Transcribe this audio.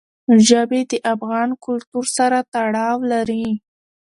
ژبې د افغان کلتور سره تړاو لري.